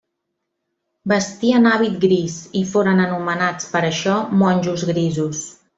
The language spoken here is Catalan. Vestien hàbit gris i foren anomenats, per això, monjos grisos.